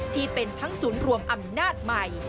ที่เป็นทั้งศูนย์รวมอำนาจใหม่